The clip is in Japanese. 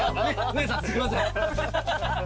姉さんすいません。